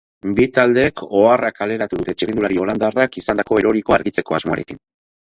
Bi taldeek oharra kaleratu dute txirrindulari holandarrak izandako erorikoa argitzeko asmoarekin.